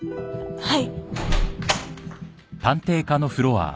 はい。